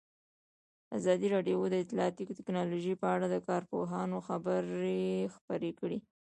ازادي راډیو د اطلاعاتی تکنالوژي په اړه د کارپوهانو خبرې خپرې کړي.